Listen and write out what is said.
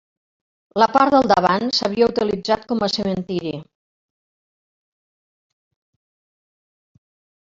La part del davant s'havia utilitzat com a cementiri.